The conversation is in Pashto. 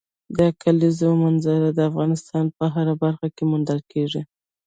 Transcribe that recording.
د کلیزو منظره د افغانستان په هره برخه کې موندل کېږي.